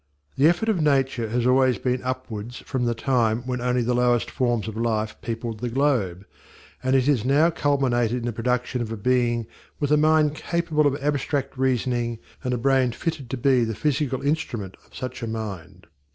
The effort of Nature has always been upwards from the time when only the lowest forms of life peopled the globe, and it has now culminated in the production of a being with a mind capable of abstract reasoning and a brain fitted to be the physical instrument of such a mind.